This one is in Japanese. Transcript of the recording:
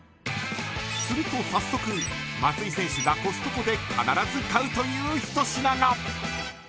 すると早速松井選手がコストコで必ず買うという一品が。